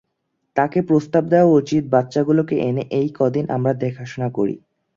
তাকে প্রস্তাব দেয়া উচিৎ বাচ্চাগুলোকে এনে এই কদিন আমরা দেখাশোনা করি।